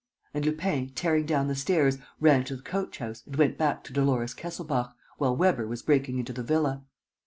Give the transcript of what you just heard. And Lupin, tearing down the stairs, ran to the coach house and went back to Dolores Kesselbach, while Weber was breaking into the villa.